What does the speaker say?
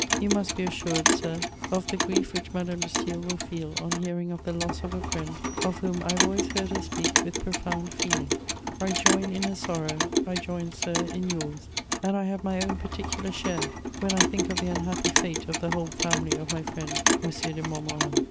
You must be assured, sir, of the grief which Madame de Staël will feel on hearing of the loss of a friend of whom I have always heard her speak with profound feeling. I join in her sorrow, I join, sir, in yours, and I have my own particular share when I think of the unhappy fate of the whole family of my friend M. de Montmorin.